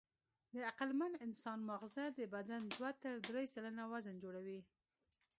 د عقلمن انسان ماغزه د بدن دوه تر درې سلنه وزن جوړوي.